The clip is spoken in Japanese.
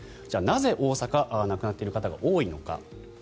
じゃあなぜ、大阪は亡くなっている方が多いのか。